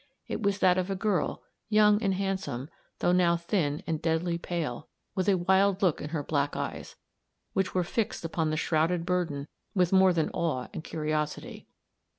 It was that of a girl, young and handsome, though now thin and deadly pale, with a wild look in her black eyes, which were fixed upon the shrouded burden with more than awe and curiosity.